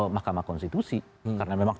mahkamah konstitusi karena memang